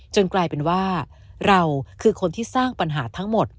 กลายเป็นว่าเราคือคนที่สร้างปัญหาทั้งหมด